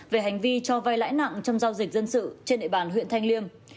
về hành vi cho vay lãi nặng trong giao dịch dân sự trên địa bàn huyện thanh liêm